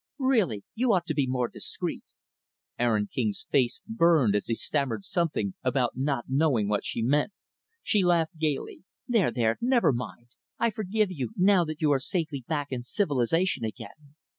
Really, you ought to be more discreet." Aaron King's face burned as he stammered something about not knowing what she meant. She laughed gaily. "There, there, never mind I forgive you now that you are safely back in civilization again.